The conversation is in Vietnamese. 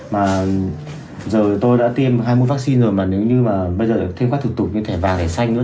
mà giờ tôi đã tiêm hai mũi vaccine rồi mà nếu như mà bây giờ thêm các thực tục như thẻ vàng thẻ xanh nữa